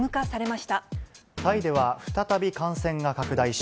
タイでは再び感染が拡大し、